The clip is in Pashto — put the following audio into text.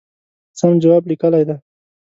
سم جواب لیکلی دی.